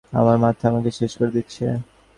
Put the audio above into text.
আমার মাথা, আমাকে শেষ করে দিচ্ছে।